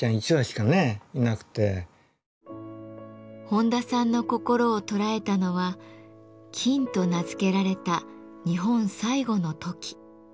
本多さんの心を捉えたのは「キン」と名付けられた日本最後のトキ。